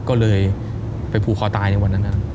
ก็เลยไปผูกคอตายในวันนั้น